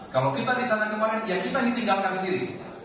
kalau kita di sana kemarin ya kita ditinggalkan sendiri